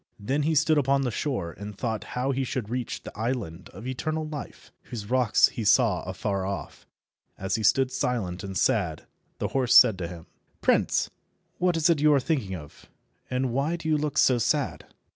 Then he stood upon the shore, and thought how he should reach the island of eternal life, whose rocks he saw afar off. As he stood silent and sad, his horse said to him— "Prince, what is it you are thinking of, and why do you look so sad?"